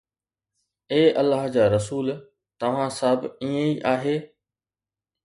اي الله جا رسول، توهان سان به ائين ئي آهي؟